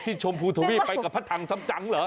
ชมพูทวีปไปกับพระถังซ้ำจังเหรอ